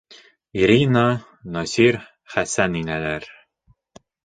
Ирина, Насир, Хәсән инәләр.